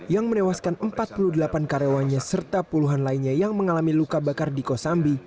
yang menewaskan empat puluh delapan karyawannya serta puluhan lainnya yang mengalami luka bakar di kosambi